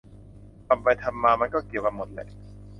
ทำไปทำมา มันก็เกี่ยวกันหมดแหละ